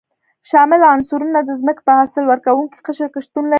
شامل عنصرونه د ځمکې په حاصل ورکوونکي قشر کې شتون لري.